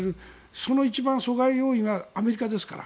その一番の阻害要因がアメリカですから。